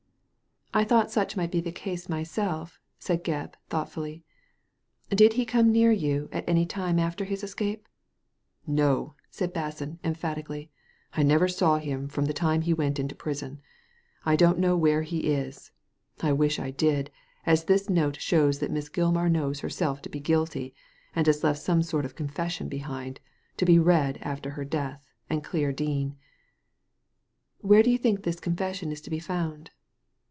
" I thought such might be the case myself," said Gebb, thoughtfully, " Did he come near you at any time after his escape ?" No," said Basson, emphatically, ! never saw him from the time he went into prison. I don't know where he is ; I wish I did, as this note shows that Miss Gilmar knows herself to be guilty, and has left some sort of confession behind, to be read after her death and clear Dean." *' Where do you think this confession is to be found?"